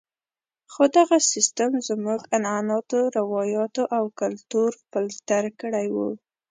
خو دغه سیستم زموږ عنعناتو، روایاتو او کلتور فلتر کړی وو.